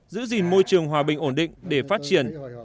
giữ gìn môi trường hòa bình ổn định để phát triển